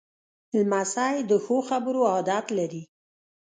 لمسی د ښو خبرو عادت لري.